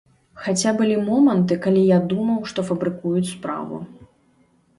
Хаця былі моманты, калі я думаў, што фабрыкуюць справу.